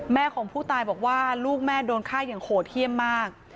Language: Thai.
ของผู้ตายบอกว่าลูกแม่โดนฆ่าอย่างโหดเยี่ยมมาก